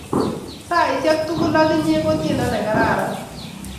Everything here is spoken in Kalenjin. saishek tugul ak inye ko tiendo ne karakaran